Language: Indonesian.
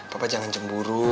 papa jangan cemburu